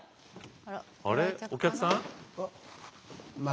あれお客さん？